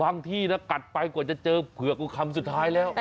ที่นะกัดไปกว่าจะเจอเผือกกูคำสุดท้ายแล้ว